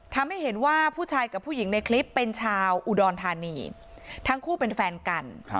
ทำให้เห็นว่าผู้ชายกับผู้หญิงในคลิปเป็นชาวอุดรธานีทั้งคู่เป็นแฟนกัน